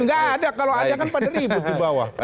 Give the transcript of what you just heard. gak ada kalau aja kan pada ribut di bawah